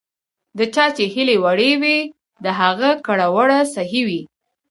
د چا چې هیلې وړې وي، د هغه کړه ـ وړه صحیح وي .